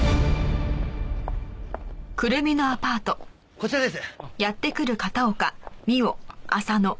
こちらです。